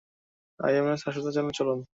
IMS হাসপাতালে চলুন।